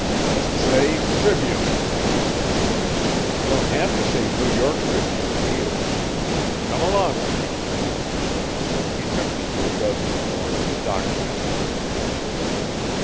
'Just say "Tribune",' he said. 'Ye don't have t' say "New York Tribune" here. Come along wi' me.' He took me to a dozen or more of the dock masters.